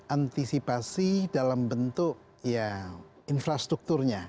antisipasi dalam bentuk infrastrukturnya